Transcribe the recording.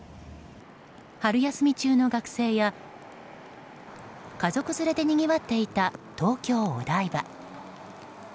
春休み中の学生や家族連れでにぎわっていた東京・お台場。